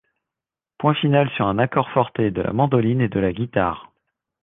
Point final sur un accord forte de la mandoline et la guitare.